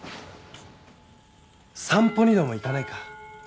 散歩にでも行かないか？